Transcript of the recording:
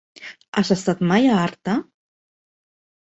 Has estat mai a Artà?